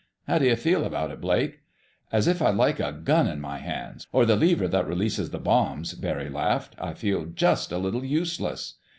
How do you feel about it, Blake?" "As if I'd like a gun in my hands—or the lever that releases the bombs," Barry laughed. "I feel just a little useless."